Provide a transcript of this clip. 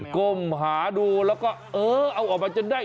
ก้มหาดูแล้วก็เออเอาออกมาจนได้